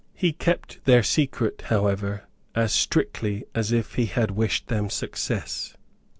He kept their secret, however, as strictly as if he had wished them success.